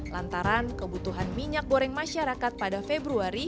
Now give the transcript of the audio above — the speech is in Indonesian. lantaran kebutuhan minyak goreng masyarakat pada februari